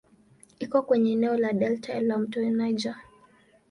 Iko kwenye eneo la delta ya "mto Niger".